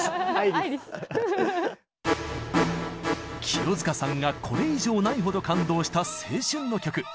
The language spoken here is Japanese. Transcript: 清塚さんがこれ以上ないほど感動した青春の曲！